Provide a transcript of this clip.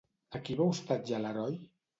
A qui va hostatjar l'heroi?